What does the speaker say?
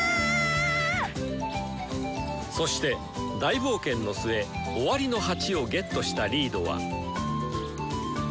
そして大冒険の末「終わりの鉢」をゲットしたリードは。